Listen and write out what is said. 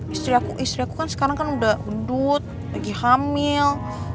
istri aku kan sekarang kan udah udut lagi hamil